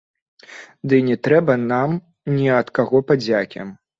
Ды і не трэба нам ні ад каго падзякі.